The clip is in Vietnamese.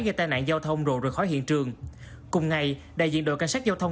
gây tai nạn giao thông rồ rời khỏi hiện trường cùng ngày đại diện đội cảnh sát giao thông